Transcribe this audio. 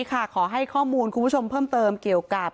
ขอให้ข้อมูลคุณผู้ชมเพิ่มเติมเกี่ยวกับ